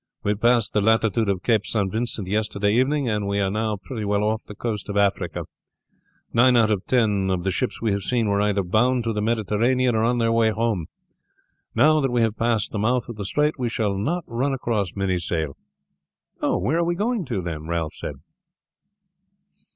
We passed the latitude of Cape St. Vincent yesterday evening, and we are now pretty well off the coast of Africa. Nine out of ten of the ships we have seen were either bound to the Mediterranean or on their way home. Now that we have passed the mouth of the strait we shall not run across many sail." "Where are we going to, then?" Ralph said.